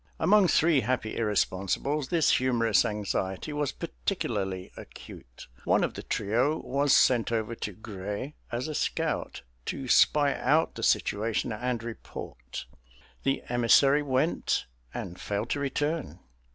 Among three happy irresponsibles this humorous anxiety was particularly acute. One of the trio was sent over to Grez as a scout, to spy out the situation and report. The emissary went, and failed to return.